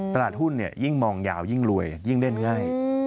ตลาดหุ้นยิ่งมองยาวยิ่งรวยยิ่งเล่นง่าย